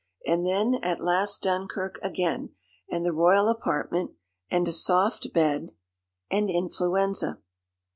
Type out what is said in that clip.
And then at last Dunkirk again, and the royal apartment, and a soft bed, and influenza.